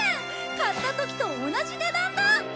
買った時と同じ値段だ！